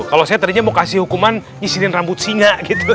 kalau saya tadinya mau kasih hukuman nyisirin rambut singa gitu